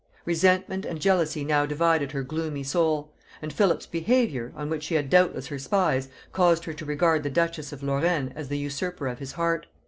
Resentment and jealousy now divided her gloomy soul; and Philip's behaviour, on which she had doubtless her spies, caused her to regard the duchess of Lorrain as the usurper of his heart.